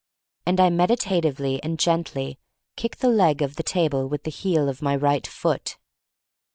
And I meditatively and gently kick the leg of the table with the heel of my right foot.